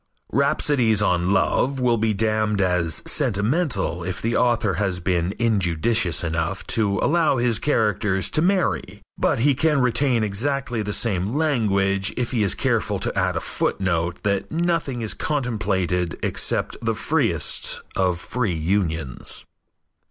Rhapsodies on love will be damned as sentimental if the author has been injudicious enough to allow his characters to marry, but he can retain exactly the same language if he is careful to add a footnote that nothing is contemplated except the freest of free unions.